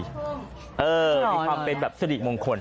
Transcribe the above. มีความเป็นแบบสริมงคล